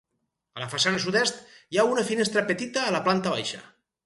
A la façana sud-est, hi ha una finestra petita a la planta baixa.